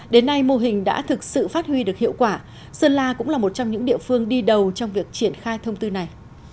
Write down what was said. đến nay mô hình đã thực sự phát huy được hiệu quả sơn la cũng là một trong những địa phương đi đầu trong việc triển khai thông tư này